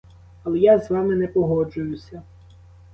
Але я з вами не погоджуюся.